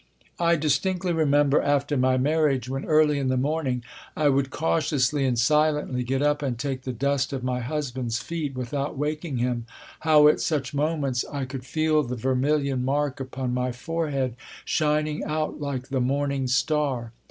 I distinctly remember after my marriage, when, early in the morning, I would cautiously and silently get up and take the dust of my husband's feet without waking him, how at such moments I could feel the vermilion mark upon my forehead shining out like the morning star.